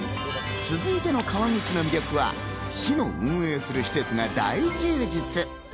続いての川口の魅力は市の運営する施設が大充実。